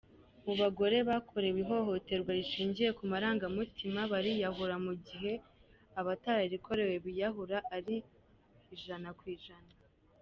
mu bagore bakorewe ihohoterwa rishingiye ku marangamutina bariyahura, mu gihe abatararikorewe biyahura ari %.